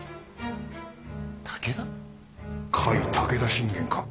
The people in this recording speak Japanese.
甲斐武田信玄か。